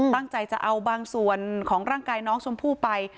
ตั้งใจจะเอาบางส่วนของร่างกายน้องชมพู่ไป